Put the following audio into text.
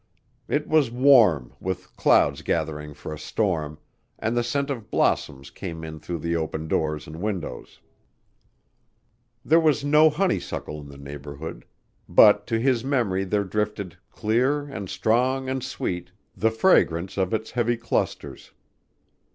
It was warm, with clouds gathering for a storm, and the scent of blossoms came in through the open doors and windows. There was no honeysuckle in the neighborhood, but to his memory there drifted, clear and strong and sweet, the fragrance of its heavy clusters.